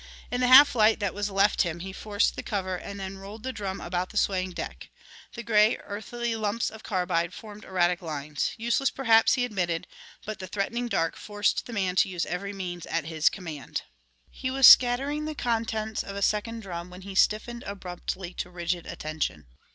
In the half light that was left him he forced the cover and then rolled the drum about the swaying deck. The gray, earthly lumps of carbide formed erratic lines. Useless perhaps, he admitted, but the threatening dark forced the man to use every means at his command. He was scattering the contents of a second drum when he stiffened abruptly to rigid attention.